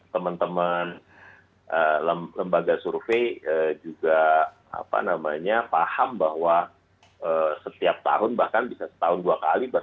teman teman lembaga survei juga paham bahwa setiap tahun bahkan bisa setahun dua kali